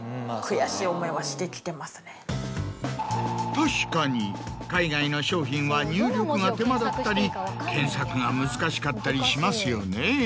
確かに海外の商品は入力が手間だったり検索が難しかったりしますよね。